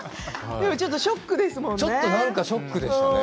でもちょっとショックですよね。